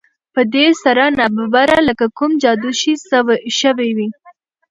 په دې سره ناببره لکه کوم جادو چې شوی وي